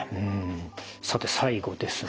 さて最後ですね。